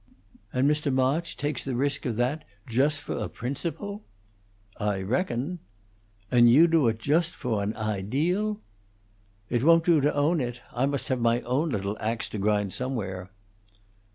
"And Mr. Mawch takes the risk of that jost fo' a principle?" "I reckon." "And you do it jost fo' an ahdeal?" "It won't do to own it. I must have my little axe to grind, somewhere."